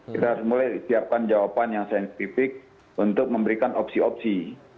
kita harus mulai siapkan jawaban yang saintifik untuk memberikan opsi opsi